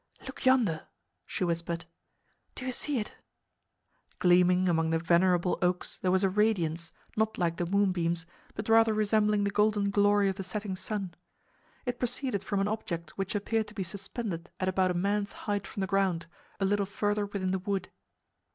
"Look yonder," she whispered. "Do you see it?" Gleaming among the venerable oaks there was a radiance, not like the moonbeams, but rather resembling the golden glory of the setting sun. It proceeded from an object which appeared to be suspended at about a man's height from the ground, a little further within the wood.